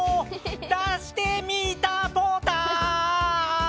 出してみたポター！